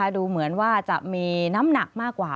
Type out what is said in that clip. ดูเหมือนว่าจะมีน้ำหนักมากกว่า